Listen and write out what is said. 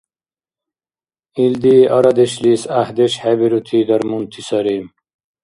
Илди арадешлис гӀяхӀдеш хӀебирути дармунти сари.